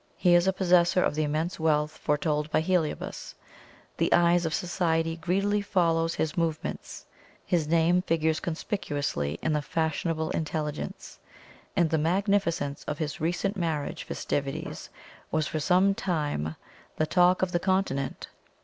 He is possessor of the immense wealth foretold by Heliobas; the eyes of Society greedily follows his movements; his name figures conspicuously in the "Fashionable Intelligence;" and the magnificence of his recent marriage festivities was for some time the talk of the Continent.